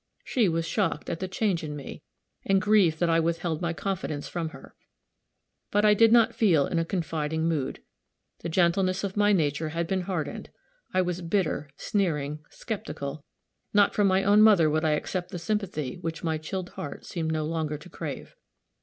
She was shocked at the change in me, and grieved that I withheld my confidence from her. But, I did not feel in a confiding mood. The gentleness of my nature had been hardened; I was bitter, sneering, skeptical; not from my own mother would I accept the sympathy which my chilled heart seemed no longer to crave.